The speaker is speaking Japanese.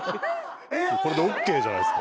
これでオッケーじゃないですか？